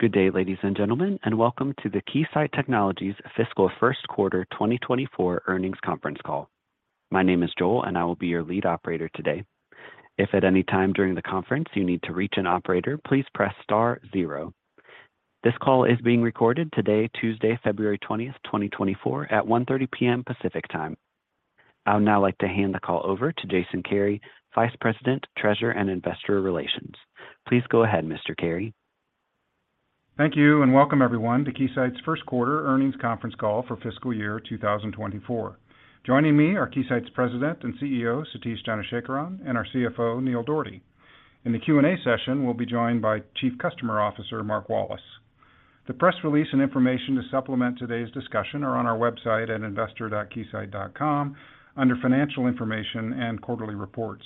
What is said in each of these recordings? Good day, ladies and gentlemen, and welcome to the Keysight Technologies Fiscal First Quarter 2024 Earnings Conference Call. My name is Joel, and I will be your lead operator today. If at any time during the conference you need to reach an operator, please press star zero. This call is being recorded today, Tuesday, February 20th, 2024, at 1:30 P.M. Pacific Time. I would now like to hand the call over to Jason Kary, Vice President, Treasurer, and Investor Relations. Please go ahead, Mr. Kary. Thank you, and welcome, everyone, to Keysight's first quarter earnings conference call for fiscal year 2024. Joining me are Keysight's President and CEO, Satish Dhanasekaran, and our CFO, Neil Dougherty. In the Q&A session, we'll be joined by Chief Customer Officer, Mark Wallace. The press release and information to supplement today's discussion are on our website at investor.keysight.com under Financial Information and Quarterly Reports.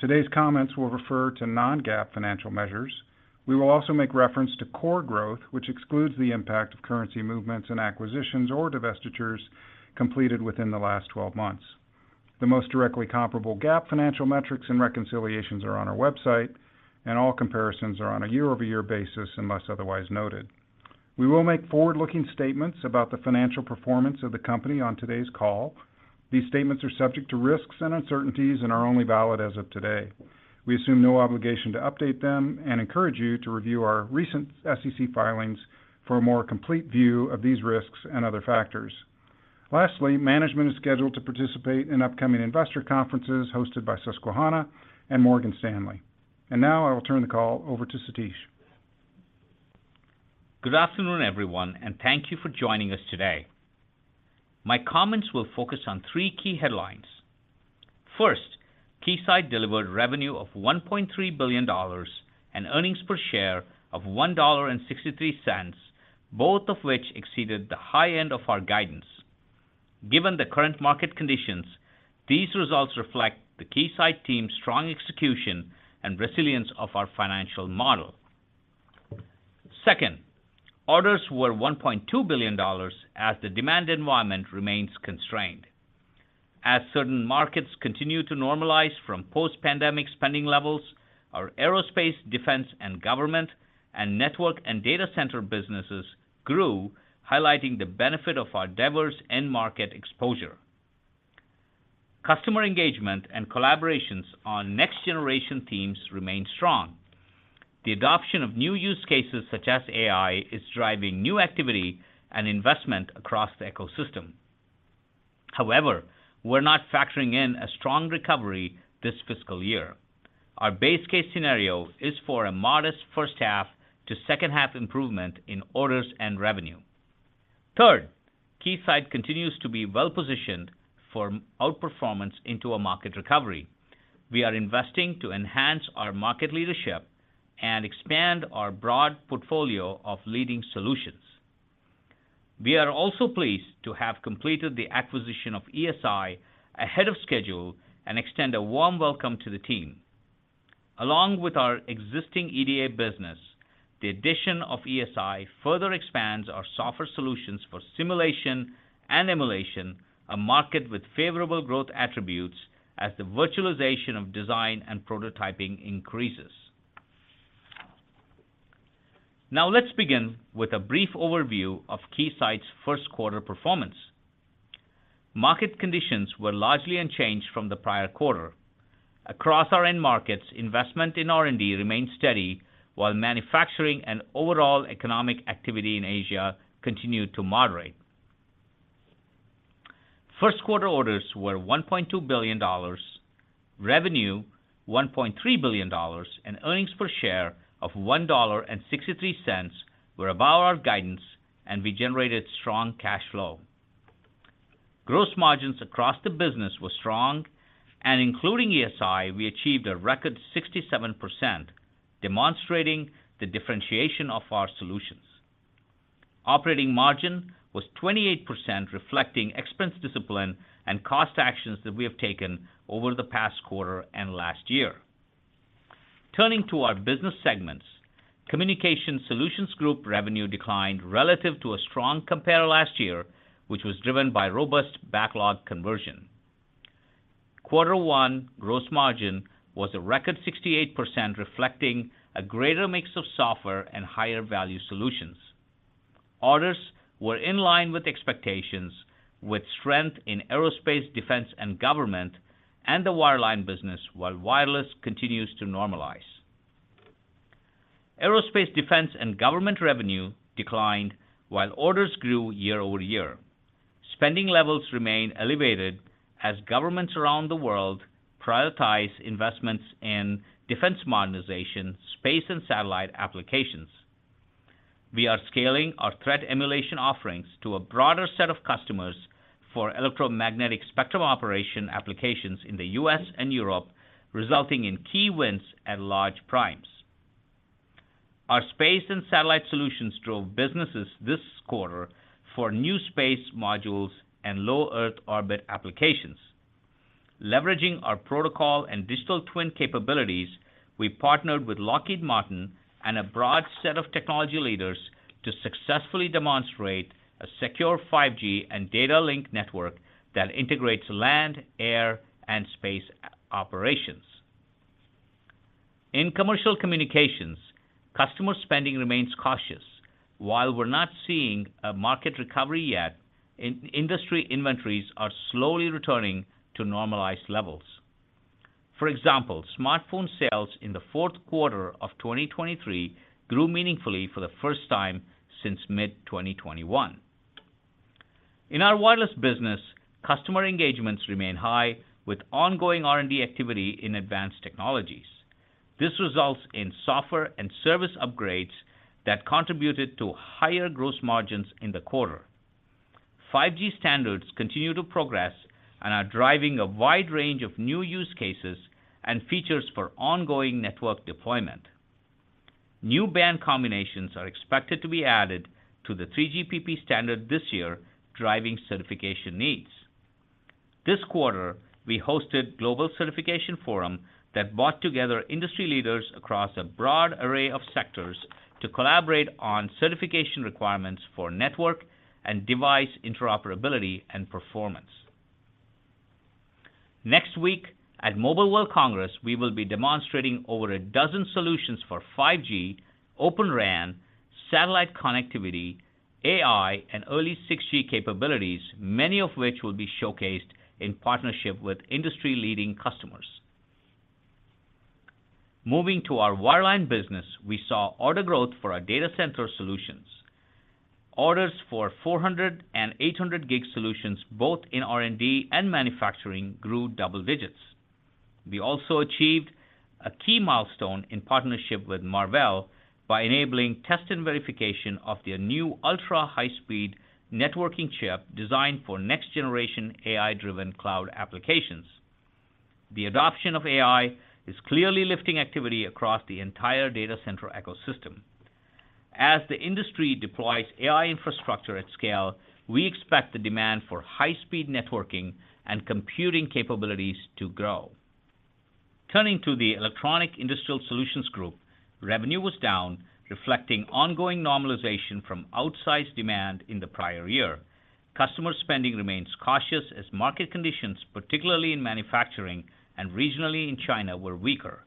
Today's comments will refer to non-GAAP financial measures. We will also make reference to core growth, which excludes the impact of currency movements and acquisitions or divestitures completed within the last 12 months. The most directly comparable GAAP financial metrics and reconciliations are on our website, and all comparisons are on a year-over-year basis, unless otherwise noted. We will make forward-looking statements about the financial performance of the company on today's call. These statements are subject to risks and uncertainties and are only valid as of today. We assume no obligation to update them and encourage you to review our recent SEC filings for a more complete view of these risks and other factors. Lastly, management is scheduled to participate in upcoming investor conferences hosted by Susquehanna and Morgan Stanley. Now I will turn the call over to Satish. Good afternoon, everyone, and thank you for joining us today. My comments will focus on three key headlines. First, Keysight delivered revenue of $1.3 billion and earnings per share of $1.63, both of which exceeded the high end of our guidance. Given the current market conditions, these results reflect the Keysight team's strong execution and resilience of our financial model. Second, orders were $1.2 billion, as the demand environment remains constrained. As certain markets continue to normalize from post-pandemic spending levels, our aerospace, defense, and government, and network and data center businesses grew, highlighting the benefit of our diverse end market exposure. Customer engagement and collaborations on next-generation teams remain strong. The adoption of new use cases, such as AI, is driving new activity and investment across the ecosystem. However, we're not factoring in a strong recovery this fiscal year. Our base case scenario is for a modest first half to second half improvement in orders and revenue. Third, Keysight continues to be well-positioned for outperformance into a market recovery. We are investing to enhance our market leadership and expand our broad portfolio of leading solutions. We are also pleased to have completed the acquisition of ESI ahead of schedule and extend a warm welcome to the team. Along with our existing EDA business, the addition of ESI further expands our software solutions for simulation and emulation, a market with favorable growth attributes as the virtualization of design and prototyping increases. Now, let's begin with a brief overview of Keysight's first quarter performance. Market conditions were largely unchanged from the prior quarter. Across our end markets, investment in R&D remained steady, while manufacturing and overall economic activity in Asia continued to moderate. First quarter orders were $1.2 billion, revenue $1.3 billion, and earnings per share of $1.63 were above our guidance, and we generated strong cash flow. Gross margins across the business were strong, and including ESI, we achieved a record 67%, demonstrating the differentiation of our solutions. Operating margin was 28%, reflecting expense discipline and cost actions that we have taken over the past quarter and last year. Turning to our business segments, Communication Solutions Group revenue declined relative to a strong compare last year, which was driven by robust backlog conversion. Quarter one gross margin was a record 68%, reflecting a greater mix of software and higher-value solutions. Orders were in line with expectations, with strength in aerospace, defense, and government, and the wireline business, while wireless continues to normalize. Aerospace, defense, and government revenue declined, while orders grew year-over-year. Spending levels remain elevated as governments around the world prioritize investments in defense modernization, space and satellite applications. We are scaling our threat emulation offerings to a broader set of customers for electromagnetic spectrum operation applications in the U.S. and Europe, resulting in key wins at large primes. Our space and satellite solutions drove businesses this quarter for new space modules and Low Earth Orbit applications. Leveraging our protocol and digital twin capabilities, we partnered with Lockheed Martin and a broad set of technology leaders to successfully demonstrate a secure 5G and data link network that integrates land, air, and space operations. In commercial communications, customer spending remains cautious. While we're not seeing a market recovery yet, in industry inventories are slowly returning to normalized levels. For example, smartphone sales in the fourth quarter of 2023 grew meaningfully for the first time since mid-2021. In our wireless business, customer engagements remain high, with ongoing R&D activity in advanced technologies. This results in software and service upgrades that contributed to higher gross margins in the quarter. 5G standards continue to progress and are driving a wide range of new use cases and features for ongoing network deployment. New band combinations are expected to be added to the 3GPP standard this year, driving certification needs. This quarter, we hosted Global Certification Forum that brought together industry leaders across a broad array of sectors to collaborate on certification requirements for network and device interoperability and performance. Next week, at Mobile World Congress, we will be demonstrating over a dozen solutions for 5G, Open RAN, satellite connectivity, AI, and early 6G capabilities, many of which will be showcased in partnership with industry-leading customers. Moving to our wireline business, we saw order growth for our data center solutions. Orders for 400- and 800-gig solutions, both in R&D and manufacturing, grew double digits. We also achieved a key milestone in partnership with Marvell by enabling test and verification of their new ultra-high-speed networking chip, designed for next-generation AI-driven cloud applications. The adoption of AI is clearly lifting activity across the entire data center ecosystem. As the industry deploys AI infrastructure at scale, we expect the demand for high-speed networking and computing capabilities to grow. Turning to the Electronic Industrial Solutions Group, revenue was down, reflecting ongoing normalization from outsized demand in the prior year. Customer spending remains cautious as market conditions, particularly in manufacturing and regionally in China, were weaker.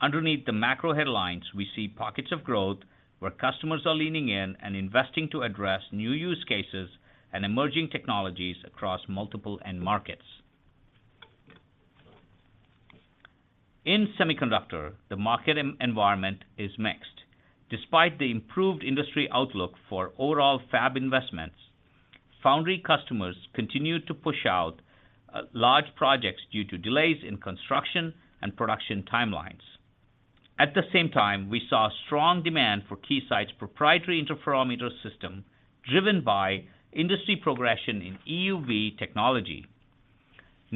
Underneath the macro headlines, we see pockets of growth where customers are leaning in and investing to address new use cases and emerging technologies across multiple end markets. In semiconductor, the market environment is mixed. Despite the improved industry outlook for overall fab investments, foundry customers continued to push out large projects due to delays in construction and production timelines. At the same time, we saw strong demand for Keysight's proprietary interferometer system, driven by industry progression in EUV technology.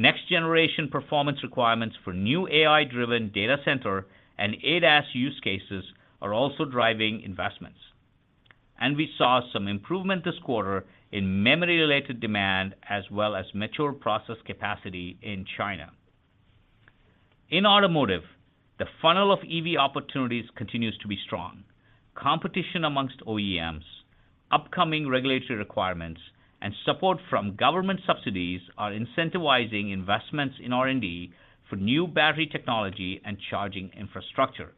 Next-generation performance requirements for new AI-driven data center and ADAS use cases are also driving investments. And we saw some improvement this quarter in memory-related demand, as well as mature process capacity in China. In automotive, the funnel of EV opportunities continues to be strong. Competition among OEMs, upcoming regulatory requirements, and support from government subsidies are incentivizing investments in R&D for new battery technology and charging infrastructure.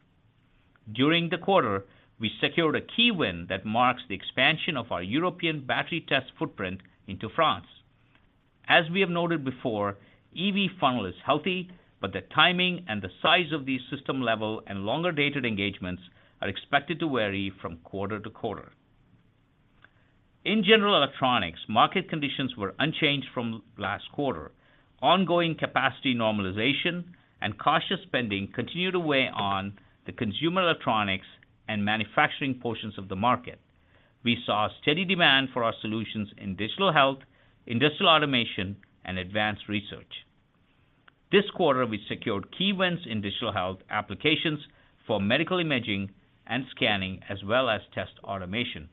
During the quarter, we secured a key win that marks the expansion of our European battery test footprint into France. As we have noted before, EV funnel is healthy, but the timing and the size of these system-level and longer-dated engagements are expected to vary from quarter to quarter. In general electronics, market conditions were unchanged from last quarter. Ongoing capacity normalization and cautious spending continued to weigh on the consumer electronics and manufacturing portions of the market. We saw steady demand for our solutions in digital health, industrial automation, and advanced research. This quarter, we secured key wins in digital health applications for medical imaging and scanning, as well as test automation.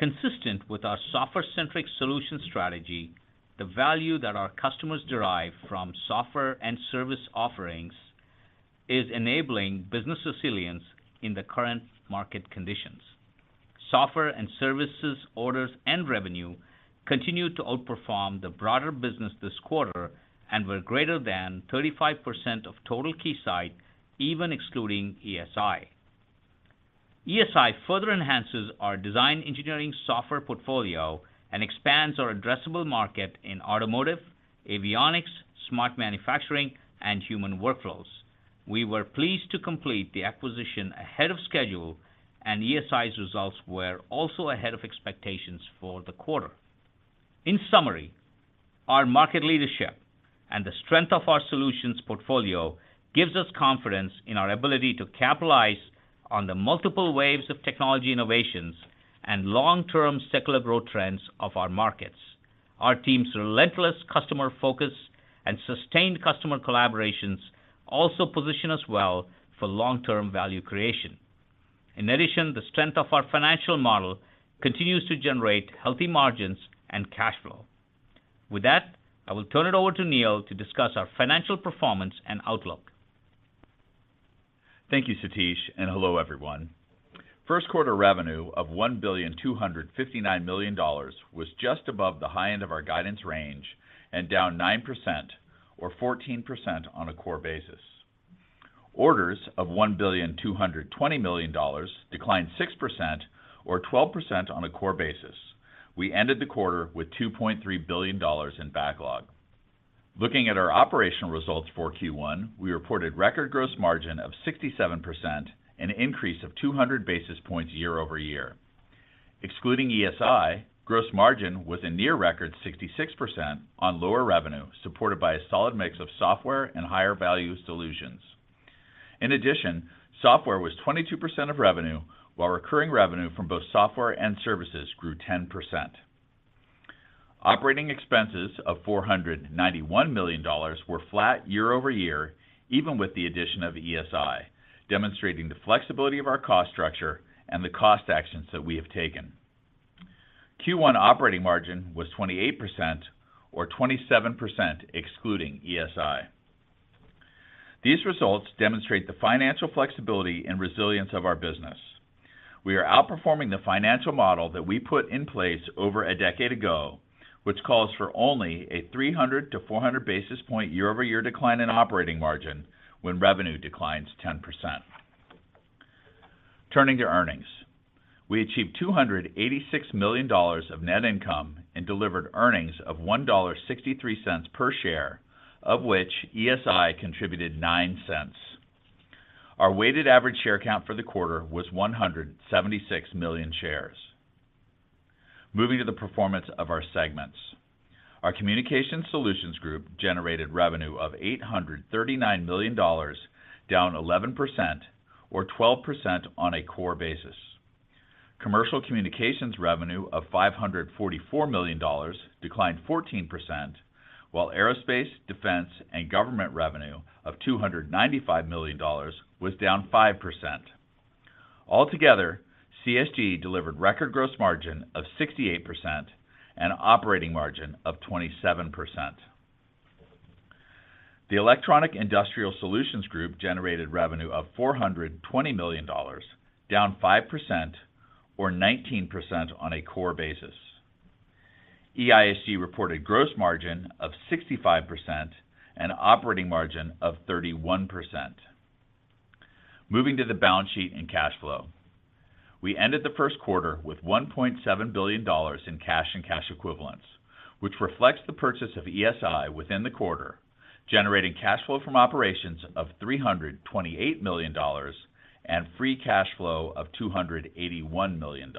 Consistent with our software-centric solution strategy, the value that our customers derive from software and service offerings is enabling business resilience in the current market conditions. Software and services, orders, and revenue continued to outperform the broader business this quarter and were greater than 35% of total Keysight, even excluding ESI. ESI further enhances our design engineering software portfolio and expands our addressable market in automotive, avionics, smart manufacturing, and human workflows. We were pleased to complete the acquisition ahead of schedule, and ESI's results were also ahead of expectations for the quarter. In summary, our market leadership and the strength of our solutions portfolio gives us confidence in our ability to capitalize on the multiple waves of technology innovations and long-term secular growth trends of our markets. Our team's relentless customer focus and sustained customer collaborations also position us well for long-term value creation. In addition, the strength of our financial model continues to generate healthy margins and cash flow. With that, I will turn it over to Neil to discuss our financial performance and outlook. ... Thank you, Satish, and hello, everyone. First quarter revenue of $1.259 billion was just above the high end of our guidance range and down 9% or 14% on a core basis. Orders of $1.22 billion declined 6% or 12% on a core basis. We ended the quarter with $2.3 billion in backlog. Looking at our operational results for Q1, we reported record gross margin of 67%, an increase of 200 basis points year-over-year. Excluding ESI, gross margin was a near record 66% on lower revenue, supported by a solid mix of software and higher value solutions. In addition, software was 22% of revenue, while recurring revenue from both software and services grew 10%. Operating expenses of $491 million were flat year-over-year, even with the addition of ESI, demonstrating the flexibility of our cost structure and the cost actions that we have taken. Q1 operating margin was 28% or 27%, excluding ESI. These results demonstrate the financial flexibility and resilience of our business. We are outperforming the financial model that we put in place over a decade ago, which calls for only a 300-400 basis point year-over-year decline in operating margin when revenue declines 10%. Turning to earnings. We achieved $286 million of net income and delivered earnings of $1.63 per share, of which ESI contributed $0.09. Our weighted average share count for the quarter was 176 million shares. Moving to the performance of our segments. Our Communication Solutions Group generated revenue of $839 million, down 11% or 12% on a core basis. Commercial communications revenue of $544 million declined 14%, while aerospace, defense, and government revenue of $295 million was down 5%. Altogether, CSG delivered record gross margin of 68% and operating margin of 27%. The Electronic Industrial Solutions Group generated revenue of $420 million, down 5% or 19% on a core basis. EISG reported gross margin of 65% and operating margin of 31%. Moving to the balance sheet and cash flow. We ended the first quarter with $1.7 billion in cash and cash equivalents, which reflects the purchase of ESI within the quarter, generating cash flow from operations of $328 million and free cash flow of $281 million.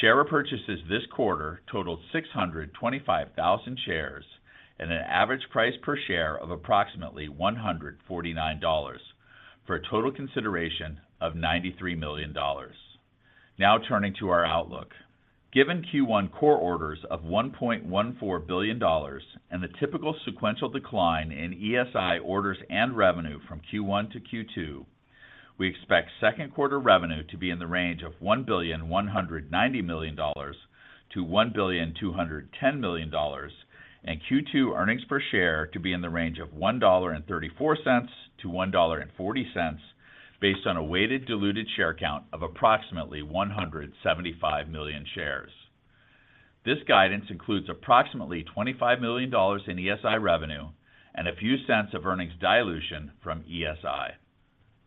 Share repurchases this quarter totaled 625,000 shares at an average price per share of approximately $149, for a total consideration of $93 million. Now, turning to our outlook. Given Q1 core orders of $1.14 billion and the typical sequential decline in ESI orders and revenue from Q1 to Q2, we expect second quarter revenue to be in the range of $1.19 billion-$1.21 billion, and Q2 earnings per share to be in the range of $1.34-$1.40, based on a weighted diluted share count of approximately 175 million shares. This guidance includes approximately $25 million in ESI revenue and a few cents of earnings dilution from ESI.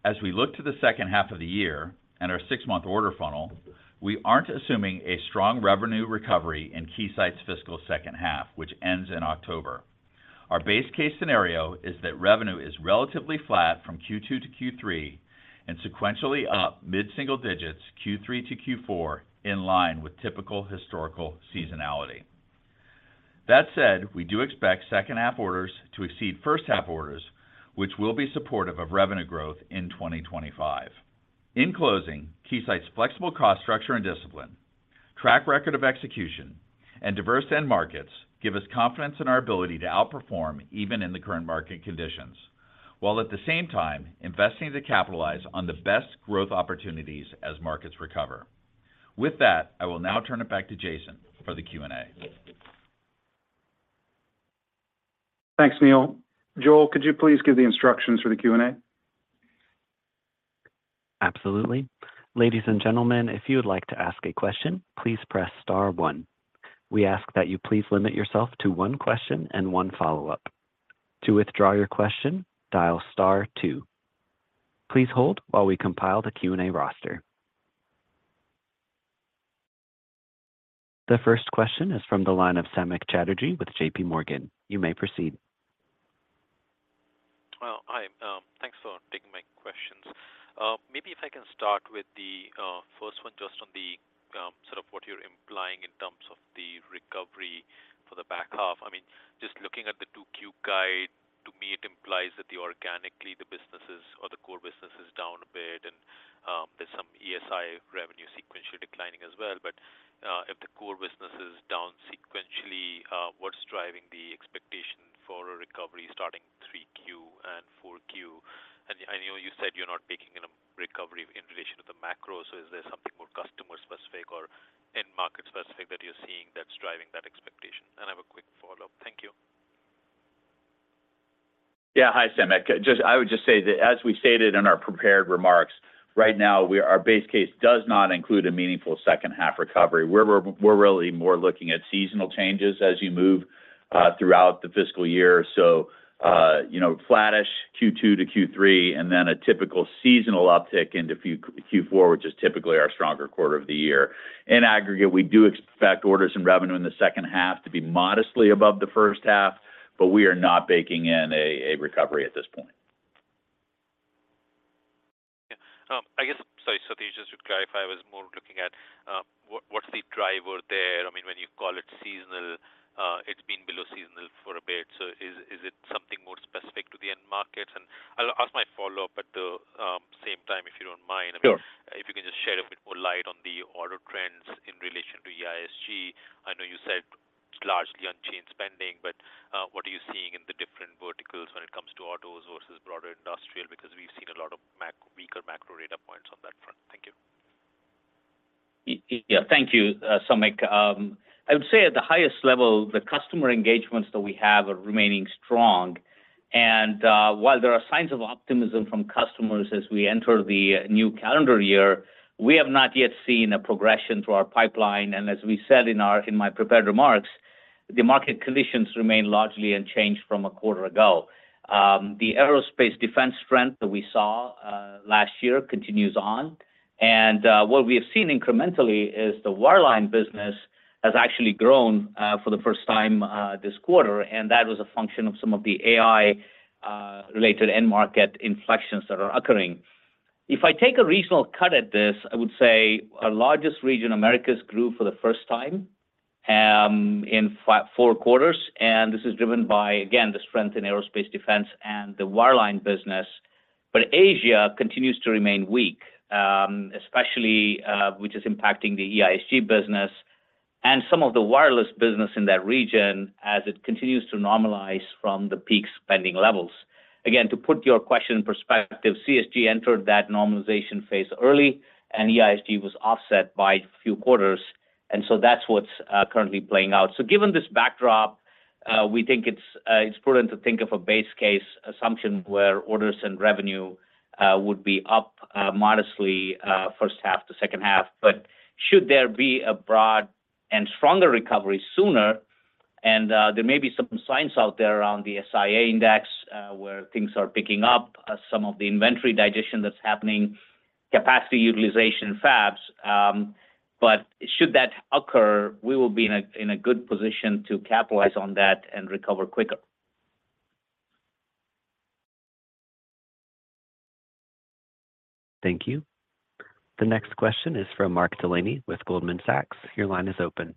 As we look to the second half of the year and our six-month order funnel, we aren't assuming a strong revenue recovery in Keysight's fiscal second half, which ends in October. Our base case scenario is that revenue is relatively flat from Q2 to Q3 and sequentially up mid-single digits, Q3 to Q4, in line with typical historical seasonality. That said, we do expect second half orders to exceed first half orders, which will be supportive of revenue growth in 2025. In closing, Keysight's flexible cost structure and discipline, track record of execution, and diverse end markets give us confidence in our ability to outperform even in the current market conditions, while at the same time investing to capitalize on the best growth opportunities as markets recover. With that, I will now turn it back to Jason for the Q&A. Thanks, Neil. Joel, could you please give the instructions for the Q&A? Absolutely. Ladies and gentlemen, if you would like to ask a question, please press star one. We ask that you please limit yourself to one question and one follow-up. To withdraw your question, dial star two. Please hold while we compile the Q&A roster. The first question is from the line of Samik Chatterjee with J.P. Morgan. You may proceed. Well, hi, thanks for taking my questions. Maybe if I can start with the first one, just on the sort of what you're implying in terms of the recovery for the back half. I mean, just looking at the 2Q guide, to me, it implies that organically, the businesses or the core business is down a bit, and there's some ESI revenue sequentially declining as well. But if the core business is down sequentially, what's driving the expectation for a recovery starting 3Q and 4Q? And I know you said you're not taking in a recovery in relation to the macro, so is there something more customer specific or end market specific that you're seeing that's driving that expectation? And I have a quick follow-up. Thank you. Yeah. Hi, Samik. Just, I would just say that as we stated in our prepared remarks, right now, we our base case does not include a meaningful second half recovery. We're really more looking at seasonal changes as you move throughout the fiscal year. So, you know, flattish Q2 to Q3, and then a typical seasonal uptick into Q4, which is typically our stronger quarter of the year. In aggregate, we do expect orders and revenue in the second half to be modestly above the first half, but we are not baking in a recovery at this point. I guess. Sorry, Satish, just to clarify, I was more looking at, what's the driver there? I mean, when you call it seasonal, it's been below seasonal for a bit, so is it something more specific to the end markets? And I'll ask my follow-up at the same time, if you don't mind. Sure. If you can just shed a bit more light on the order trends in relation to EISG. I know you said it's largely unchanged spending, but, what are you seeing in the different verticals when it comes to autos versus broader industrial? Because we've seen a lot of macro weaker macro data points on that front. Thank you. Yeah. Thank you, Samik. I would say at the highest level, the customer engagements that we have are remaining strong. And, while there are signs of optimism from customers as we enter the new calendar year, we have not yet seen a progression through our pipeline, and as we said in my prepared remarks, the market conditions remain largely unchanged from a quarter ago. The aerospace defense strength that we saw last year continues on, and, what we have seen incrementally is the wireline business has actually grown for the first time this quarter, and that was a function of some of the AI related end market inflections that are occurring. If I take a regional cut at this, I would say our largest region, Americas, grew for the first time in four quarters, and this is driven by, again, the strength in aerospace defense and the wireline business. But Asia continues to remain weak, especially, which is impacting the EISG business and some of the wireless business in that region as it continues to normalize from the peak spending levels. Again, to put your question in perspective, CSG entered that normalization phase early, and EISG was offset by a few quarters, and so that's what's currently playing out. So given this backdrop, we think it's, it's prudent to think of a base case assumption where orders and revenue would be up, modestly, first half to second half. But should there be a broad and stronger recovery sooner, and there may be some signs out there around the SIA index, where things are picking up, some of the inventory digestion that's happening, capacity utilization in fabs, but should that occur, we will be in a good position to capitalize on that and recover quicker. Thank you. The next question is from Mark Delaney with Goldman Sachs. Your line is open.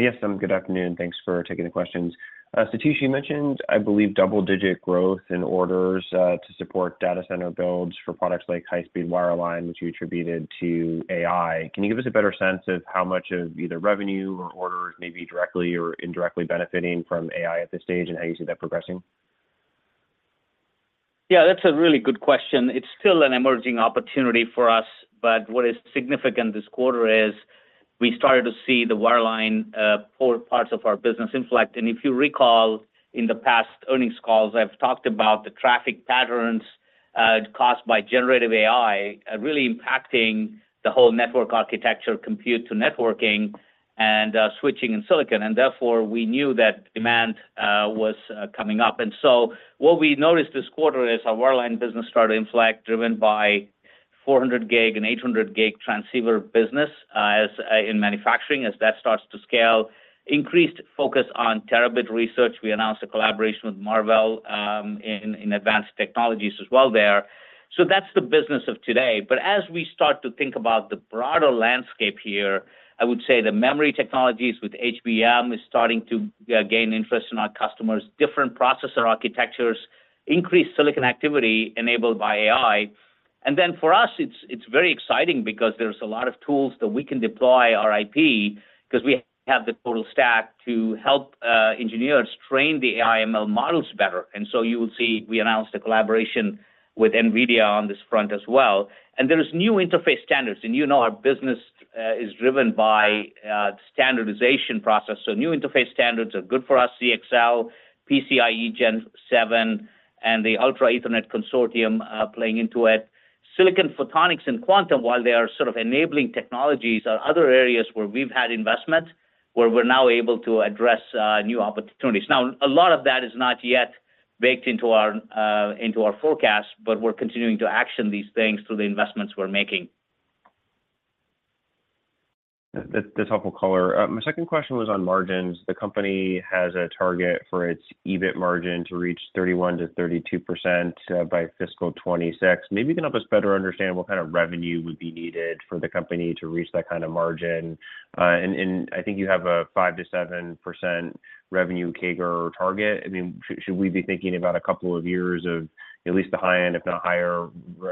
Yes, good afternoon. Thanks for taking the questions. Satish, you mentioned, I believe, double-digit growth in orders to support data center builds for products like high-speed wireline, which you attributed to AI. Can you give us a better sense of how much of either revenue or orders may be directly or indirectly benefiting from AI at this stage and how you see that progressing? Yeah, that's a really good question. It's still an emerging opportunity for us, but what is significant this quarter is, we started to see the wireline, core parts of our business inflect. And if you recall, in the past earnings calls, I've talked about the traffic patterns, caused by generative AI, really impacting the whole network architecture, compute to networking and, switching in silicon, and therefore, we knew that demand, was coming up. And so what we noticed this quarter is our wireline business started to inflect, driven by 400 gig and 800 gig transceiver business, as, in manufacturing, as that starts to scale. Increased focus on terabit research. We announced a collaboration with Marvell, in, in advanced technologies as well there. So that's the business of today. But as we start to think about the broader landscape here, I would say the memory technologies with HBM is starting to gain interest in our customers, different processor architectures, increased silicon activity enabled by AI. And then for us, it's very exciting because there's a lot of tools that we can deploy our IP, because we have the total stack to help engineers train the AI ML models better. And so you will see, we announced a collaboration with NVIDIA on this front as well. And there is new interface standards, and you know our business is driven by standardization process. So new interface standards are good for us, CXL, PCIe Gen 7, and the Ultra Ethernet Consortium playing into it. Silicon photonics and Quantum, while they are sort of enabling technologies, are other areas where we've had investment, where we're now able to address new opportunities. Now, a lot of that is not yet baked into our, into our forecast, but we're continuing to action these things through the investments we're making. That, that's helpful color. My second question was on margins. The company has a target for its EBIT margin to reach 31%-32%, by fiscal 2026. Maybe you can help us better understand what kind of revenue would be needed for the company to reach that kind of margin. And I think you have a 5%-7% revenue CAGR target. I mean, should we be thinking about a couple of years of at least the high end, if not higher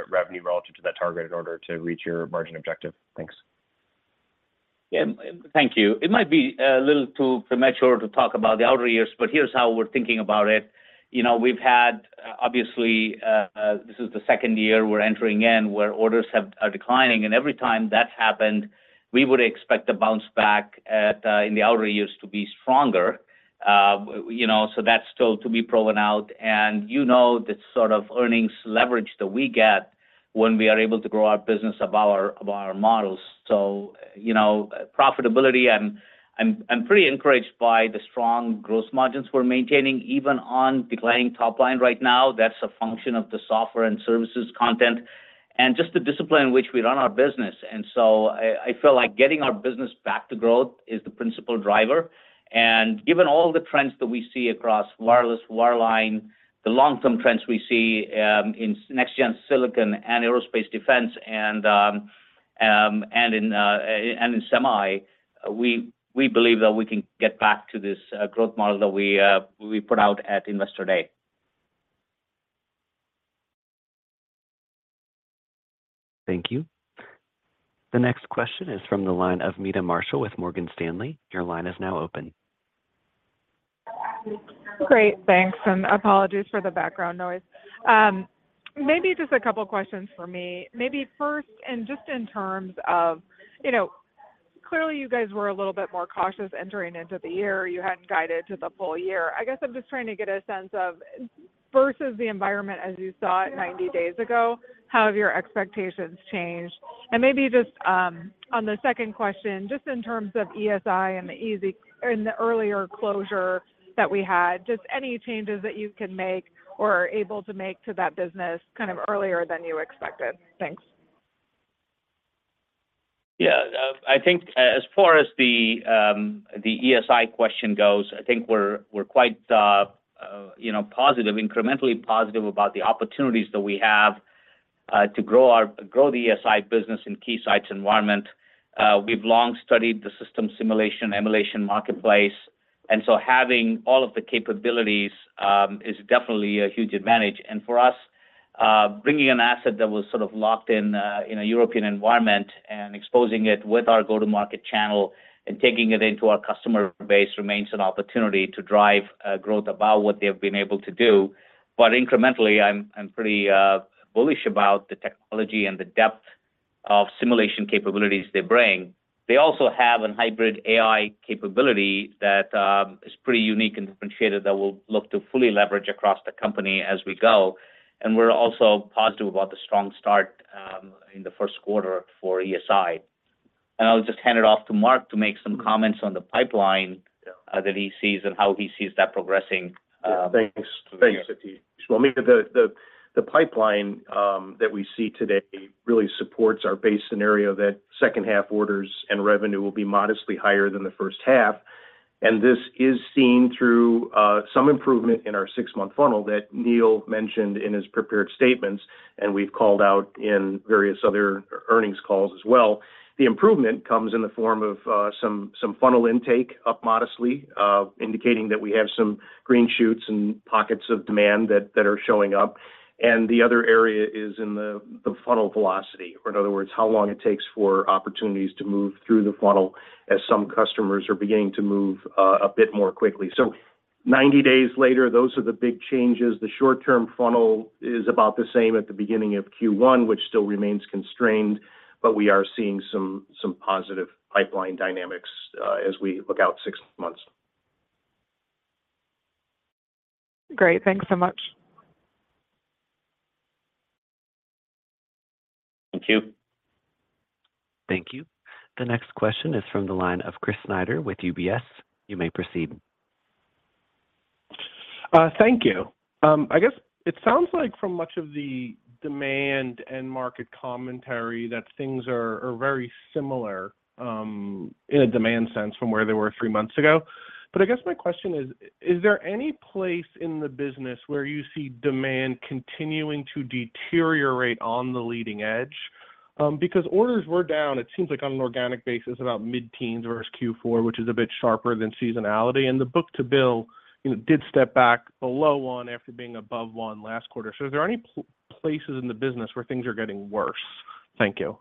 revenue relative to that target in order to reach your margin objective? Thanks. Yeah. Thank you. It might be a little too premature to talk about the outer years, but here's how we're thinking about it. You know, obviously this is the second year we're entering in where orders are declining, and every time that's happened, we would expect a bounce back in the outer years to be stronger. You know, so that's still to be proven out, and you know, the sort of earnings leverage that we get when we are able to grow our business above our models. So, you know, profitability, I'm pretty encouraged by the strong gross margins we're maintaining, even on declining top line right now. That's a function of the software and services content and just the discipline in which we run our business. And so I feel like getting our business back to growth is the principal driver. And given all the trends that we see across wireless, wireline, the long-term trends we see in next-gen silicon and aerospace defense and in semi, we believe that we can get back to this growth model that we put out at Investor Day. Thank you. The next question is from the line of Meta Marshall with Morgan Stanley. Your line is now open. Great, thanks, and apologies for the background noise. Maybe just a couple questions for me. Maybe first, and just in terms of, you know, clearly, you guys were a little bit more cautious entering into the year. You hadn't guided to the full year. I guess I'm just trying to get a sense of, versus the environment as you saw it 90 days ago, how have your expectations changed? And maybe just, on the second question, just in terms of ESI and the earlier closure that we had, just any changes that you can make or are able to make to that business kind of earlier than you expected? Thanks. Yeah, I think as far as the ESI question goes, I think we're quite, you know, positive, incrementally positive about the opportunities that we have to grow the ESI business in Keysight's environment. We've long studied the system simulation, emulation marketplace, and so having all of the capabilities is definitely a huge advantage. And for us, bringing an asset that was sort of locked in in a European environment and exposing it with our go-to-market channel and taking it into our customer base remains an opportunity to drive growth above what they have been able to do. But incrementally, I'm pretty bullish about the technology and the depth of simulation capabilities they bring. They also have a hybrid AI capability that is pretty unique and differentiated that we'll look to fully leverage across the company as we go. We're also positive about the strong start in the first quarter for ESI. I'll just hand it off to Mark to make some comments on the pipeline that he sees and how he sees that progressing. Thanks. Thanks, Satish. Well, I mean, the pipeline that we see today really supports our base scenario that second half orders and revenue will be modestly higher than the first half. And this is seen through some improvement in our six-month funnel that Neil mentioned in his prepared statements, and we've called out in various other earnings calls as well. The improvement comes in the form of some funnel intake, up modestly, indicating that we have some green shoots and pockets of demand that are showing up. And the other area is in the funnel velocity, or in other words, how long it takes for opportunities to move through the funnel, as some customers are beginning to move a bit more quickly. So 90 days later, those are the big changes. The short-term funnel is about the same at the beginning of Q1, which still remains constrained, but we are seeing some positive pipeline dynamics as we look out six months. Great. Thanks so much. Thank you. Thank you. The next question is from the line of Chris Snyder with UBS. You may proceed. Thank you. I guess it sounds like from much of the demand and market commentary, that things are very similar in a demand sense from where they were three months ago. But I guess my question is: Is there any place in the business where you see demand continuing to deteriorate on the leading edge? Because orders were down, it seems like on an organic basis, about mid-teens versus Q4, which is a bit sharper than seasonality. And the book-to-bill, you know, did step back below one after being above one last quarter. So is there any places in the business where things are getting worse? Thank you.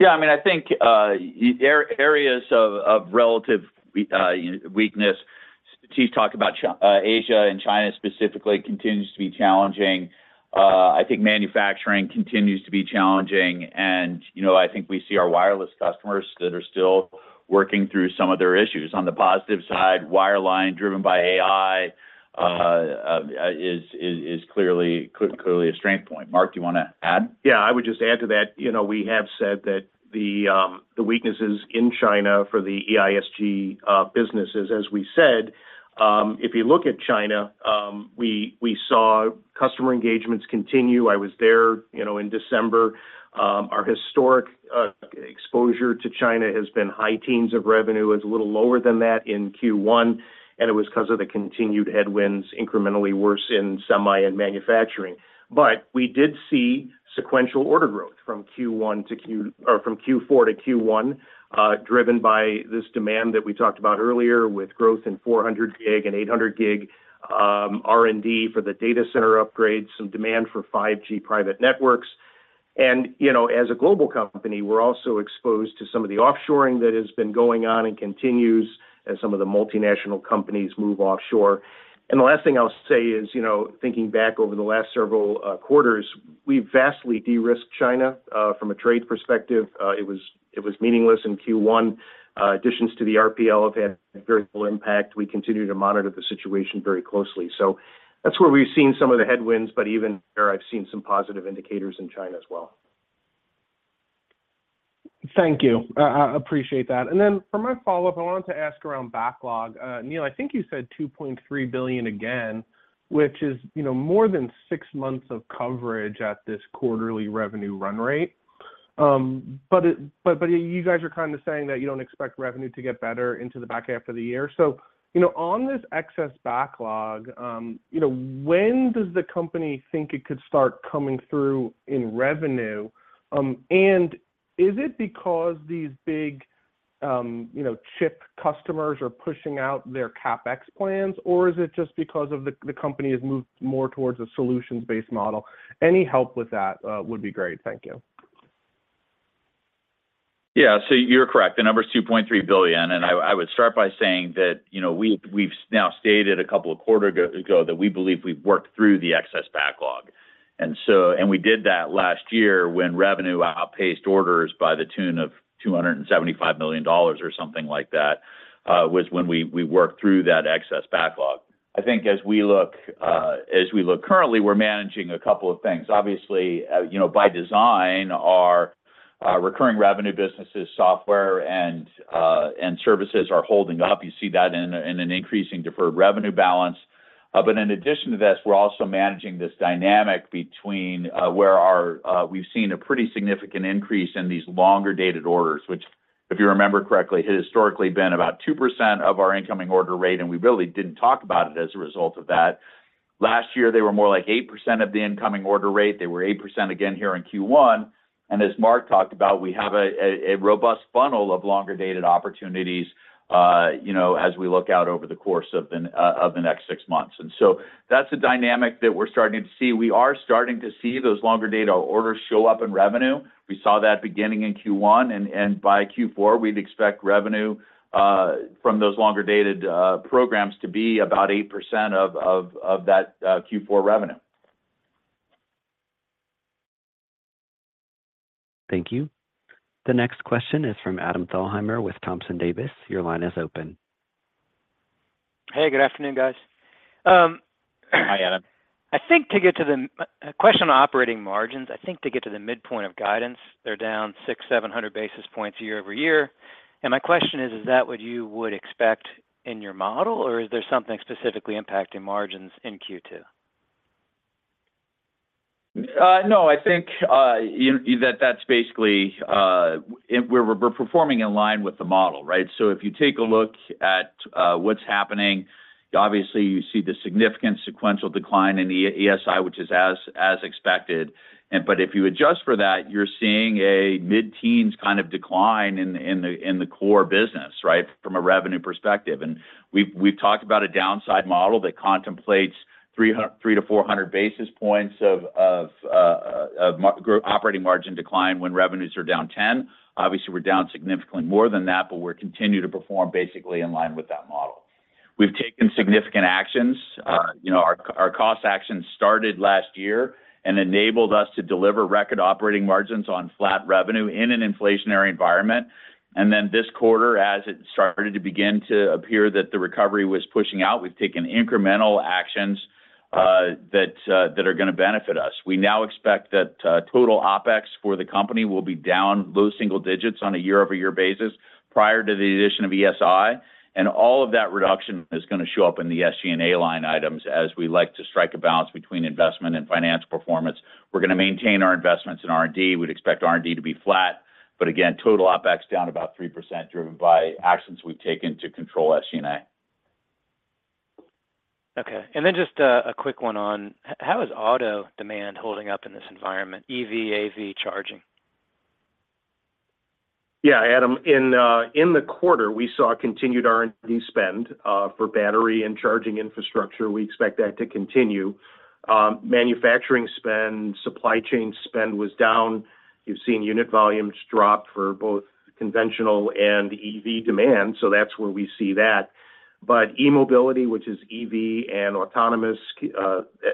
Yeah, I mean, I think areas of relative weakness. Satish talked about China, Asia and China specifically continues to be challenging. I think manufacturing continues to be challenging, and, you know, I think we see our wireless customers that are still working through some of their issues. On the positive side, wireline, driven by AI, is clearly a strength point. Mark, do you want to add? Yeah, I would just add to that, you know, we have said that the weaknesses in China for the EISG businesses, as we said, if you look at China, we saw customer engagements continue. I was there, you know, in December. Our historic exposure to China has been high teens of revenue. It's a little lower than that in Q1, and it was because of the continued headwinds, incrementally worse in semi and manufacturing. But we did see sequential order growth from Q1 to Q... From Q4 to Q1, driven by this demand that we talked about earlier, with growth in 400 gig and 800 gig, R&D for the data center upgrades, some demand for 5G private networks. And, you know, as a global company, we're also exposed to some of the offshoring that has been going on and continues as some of the multinational companies move offshore. And the last thing I'll say is, you know, thinking back over the last several quarters, we've vastly de-risked China from a trade perspective. It was meaningless in Q1. Additions to the RPL have had a very little impact. We continue to monitor the situation very closely. So that's where we've seen some of the headwinds, but even there, I've seen some positive indicators in China as well. Thank you. I appreciate that. And then for my follow-up, I wanted to ask around backlog. Neil, I think you said $2.3 billion again, which is, you know, more than six months of coverage at this quarterly revenue run rate. But it, but you guys are kind of saying that you don't expect revenue to get better into the back half of the year. So, you know, on this excess backlog, you know, when does the company think it could start coming through in revenue? And is it because these big, you know, chip customers are pushing out their CapEx plans, or is it just because of the company has moved more towards a solutions-based model? Any help with that would be great. Thank you. Yeah. So you're correct, the number is $2.3 billion, and I would start by saying that, you know, we've now stated a couple of quarters ago that we believe we've worked through the excess backlog. And so and we did that last year when revenue outpaced orders to the tune of $275 million or something like that was when we worked through that excess backlog. I think as we look as we look currently, we're managing a couple of things. Obviously you know, by design, our recurring revenue businesses, software, and services are holding up. You see that in an increasing deferred revenue balance. But in addition to this, we're also managing this dynamic between where our we've seen a pretty significant increase in these longer-dated orders, which, if you remember correctly, had historically been about 2% of our incoming order rate, and we really didn't talk about it as a result of that. Last year, they were more like 8% of the incoming order rate. They were 8% again here in Q1, and as Mark talked about, we have a robust funnel of longer-dated opportunities, you know, as we look out over the course of the next six months. And so that's a dynamic that we're starting to see. We are starting to see those longer-dated orders show up in revenue. We saw that beginning in Q1, and by Q4, we'd expect revenue from those longer-dated programs to be about 8% of that Q4 revenue. Thank you. The next question is from Adam Thalheimer with Thompson Davis. Your line is open. Hey, good afternoon, guys. Hi, Adam. I think to get to a question on operating margins, I think to get to the midpoint of guidance, they're down 600-700 basis points year-over-year. And my question is, is that what you would expect in your model, or is there something specifically impacting margins in Q2? No, I think that's basically we're performing in line with the model, right? So if you take a look at what's happening, obviously, you see the significant sequential decline in the EISG, which is as expected. But if you adjust for that, you're seeing a mid-teens kind of decline in the core business, right? From a revenue perspective. And we've talked about a downside model that contemplates 300-400 basis points of operating margin decline when revenues are down 10. Obviously, we're down significantly more than that, but we're continuing to perform basically in line with that model. We've taken significant actions. You know, our cost actions started last year and enabled us to deliver record operating margins on flat revenue in an inflationary environment. Then this quarter, as it started to begin to appear that the recovery was pushing out, we've taken incremental actions that are gonna benefit us. We now expect that total OpEx for the company will be down low single digits on a year-over-year basis prior to the addition of ESI, and all of that reduction is gonna show up in the SG&A line items, as we like to strike a balance between investment and financial performance. We're gonna maintain our investments in R&D. We'd expect R&D to be flat, but again, total OpEx down about 3%, driven by actions we've taken to control SG&A. Okay, and then just a quick one on how is auto demand holding up in this environment, EV, AV charging? Yeah, Adam, in the quarter, we saw continued R&D spend for battery and charging infrastructure. We expect that to continue. Manufacturing spend, supply chain spend was down. You've seen unit volumes drop for both conventional and EV demand, so that's where we see that. But eMobility, which is EV and autonomous,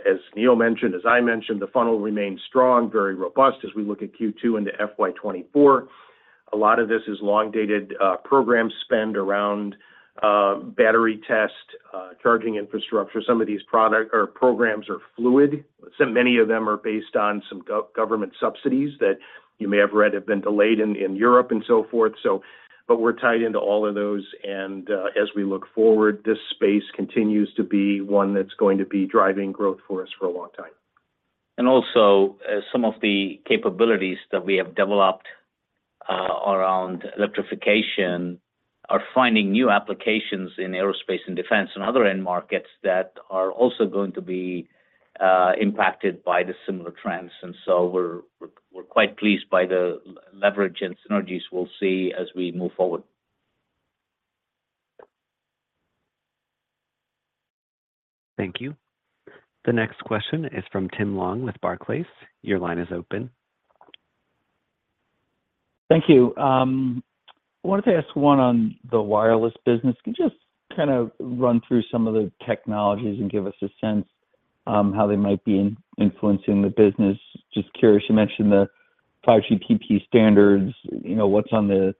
as Neil mentioned, as I mentioned, the funnel remains strong, very robust as we look at Q2 into FY 2024. A lot of this is long-dated, program spend around, battery test, charging infrastructure. Some of these product or programs are fluid. So many of them are based on some government subsidies that you may have read have been delayed in Europe and so forth. So but we're tied into all of those, and, as we look forward, this space continues to be one that's going to be driving growth for us for a long time. And also, some of the capabilities that we have developed around electrification are finding new applications in aerospace and defense and other end markets that are also going to be impacted by the similar trends. And so we're quite pleased by the leverage and synergies we'll see as we move forward.... Thank you. The next question is from Tim Long with Barclays. Your line is open. Thank you. I wanted to ask one on the wireless business. Can you just kind of run through some of the technologies and give us a sense how they might be influencing the business? Just curious, you mentioned the 3GPP standards, you know, what's on the,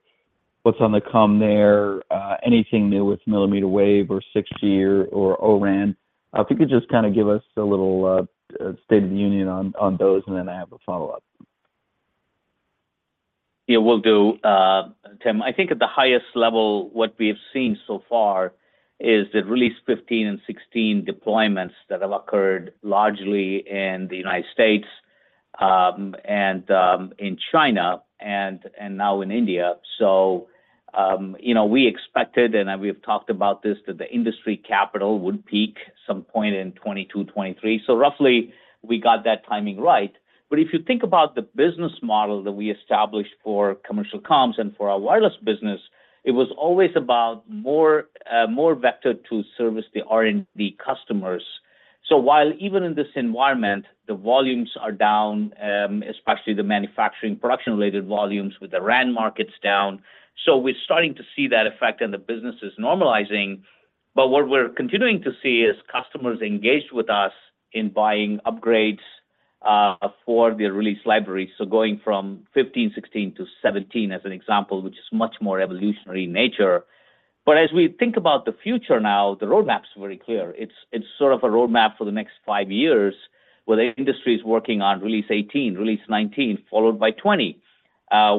what's on the come there, anything new with millimeter wave or 6G or O-RAN? If you could just kind of give us a little state of the union on those, and then I have a follow-up. Yeah, will do. Tim, I think at the highest level, what we have seen so far is that Release 15 and 16 deployments that have occurred largely in the United States, and in China and now in India. So, you know, we expected, and we've talked about this, that the industry capital would peak some point in 2022, 2023. So roughly, we got that timing right. But if you think about the business model that we established for commercial comms and for our wireless business, it was always about more, more vector to service the R&D customers. So while even in this environment, the volumes are down, especially the manufacturing production-related volumes with the RAN markets down. So we're starting to see that effect and the business is normalizing. But what we're continuing to see is customers engaged with us in buying upgrades for their release library. So going from 15, 16 to 17, as an example, which is much more evolutionary in nature. But as we think about the future now, the roadmap is very clear. It's sort of a roadmap for the next five years, where the industry is working on Release 18, Release 19, followed by 20,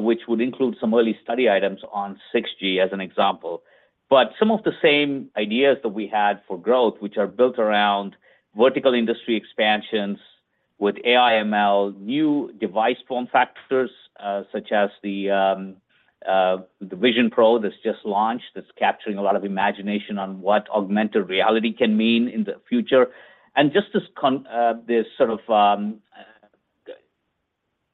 which would include some early study items on 6G, as an example. But some of the same ideas that we had for growth, which are built around vertical industry expansions with AI ML, new device form factors, such as the Vision Pro that's just launched, that's capturing a lot of imagination on what augmented reality can mean in the future. And just as this sort of,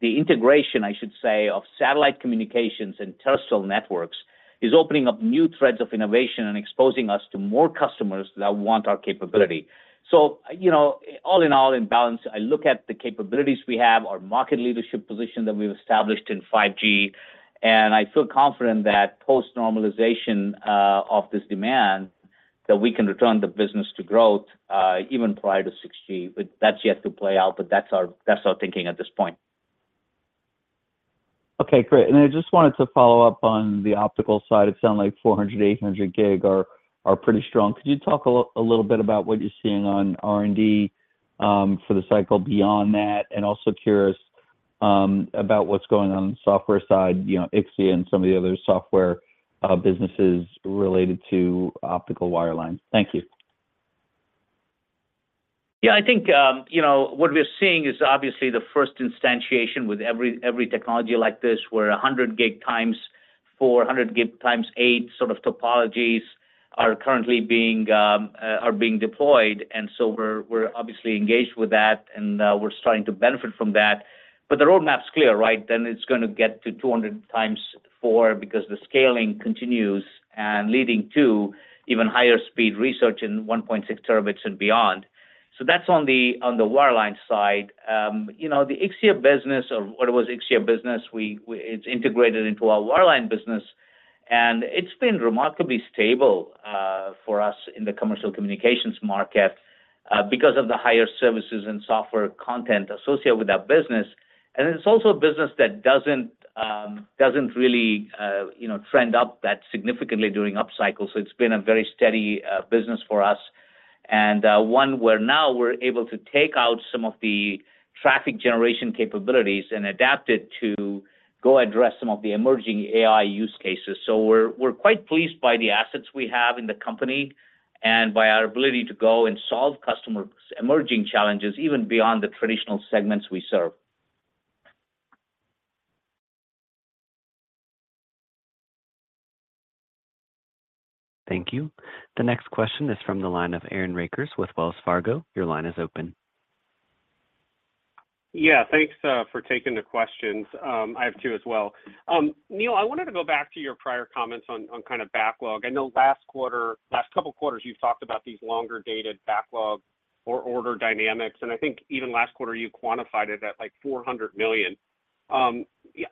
the integration, I should say, of satellite communications and terrestrial networks, is opening up new threads of innovation and exposing us to more customers that want our capability. So, you know, all in all, in balance, I look at the capabilities we have, our market leadership position that we've established in 5G, and I feel confident that post-normalization, of this demand, that we can return the business to growth, even prior to 6G. But that's yet to play out, but that's our, that's our thinking at this point. Okay, great. And I just wanted to follow up on the optical side. It sounds like 400, 800 gig are pretty strong. Could you talk a little bit about what you're seeing on R&D for the cycle beyond that, and also curious about what's going on software side, you know, Ixia and some of the other software businesses related to optical wireline. Thank you. Yeah, I think, you know, what we're seeing is obviously the first instantiation with every, every technology like this, where 100 gig x4, 100 gig x8 sort of topologies are currently being deployed. And so we're, we're obviously engaged with that, and we're starting to benefit from that. But the roadmap is clear, right? Then it's going to get to 200 x 4 because the scaling continues and leading to even higher speed research in 1.6 terabits and beyond. So that's on the, on the wireline side. You know, the Ixia business or what was Ixia business, we, we—it's integrated into our wireline business, and it's been remarkably stable for us in the commercial communications market because of the higher services and software content associated with that business. And it's also a business that doesn't, doesn't really, you know, trend up that significantly during upcycle. So it's been a very steady business for us, and one where now we're able to take out some of the traffic generation capabilities and adapt it to go address some of the emerging AI use cases. So we're, we're quite pleased by the assets we have in the company and by our ability to go and solve customer's emerging challenges, even beyond the traditional segments we serve. Thank you. The next question is from the line of Aaron Rakers with Wells Fargo. Your line is open. Yeah, thanks, for taking the questions. I have two as well. Neil, I wanted to go back to your prior comments on kind of backlog. I know last quarter, last couple of quarters, you've talked about these longer-dated backlog or order dynamics, and I think even last quarter, you quantified it at, like, $400 million. Yeah,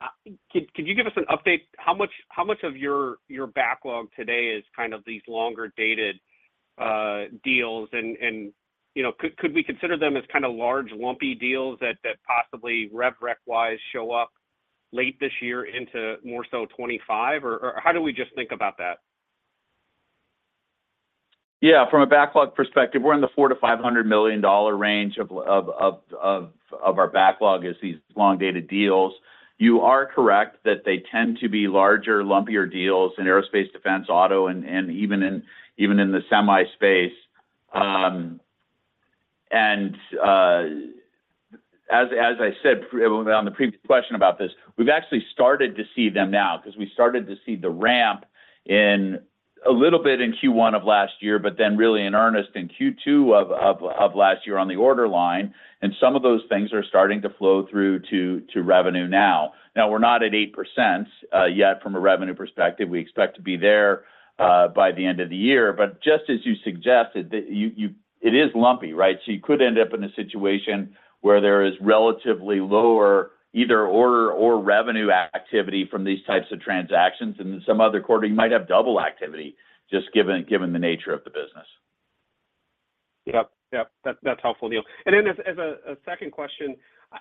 could you give us an update? How much of your backlog today is kind of these longer-dated deals, and, you know, could we consider them as kind of large, lumpy deals that possibly rev rec-wise, show up late this year into more so 2025, or how do we just think about that? Yeah, from a backlog perspective, we're in the $400-$500 million range of our backlog as these long-dated deals. You are correct that they tend to be larger, lumpier deals in aerospace, defense, auto, and even in the semi space. As I said on the previous question about this, we've actually started to see them now because we started to see the ramp.... in a little bit in Q1 of last year, but then really in earnest in Q2 of last year on the order line, and some of those things are starting to flow through to revenue now. Now, we're not at 8%, yet from a revenue perspective. We expect to be there by the end of the year. But just as you suggested, that it is lumpy, right? So you could end up in a situation where there is relatively lower either order or revenue activity from these types of transactions, and in some other quarter, you might have double activity, just given the nature of the business. Yep. Yep, that's helpful, Neil. And then as a second question,